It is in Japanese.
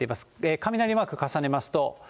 雷マーク重ねますと。